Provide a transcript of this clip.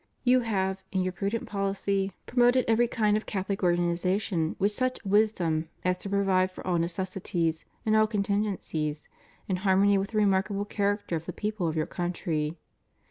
You have, in your prudent poUcy, promoted every kind of Catholic organization with such wisdom as to provide for all necessities and all contingencies, in harmony with the remarkable character of the people of your country.